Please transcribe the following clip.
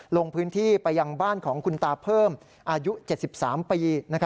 ลงพื้นที่ไปยังบ้านของคุณตาเพิ่มอายุ๗๓ปี